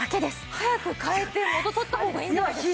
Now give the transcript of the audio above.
早く替えて元取った方がいいんじゃないですか？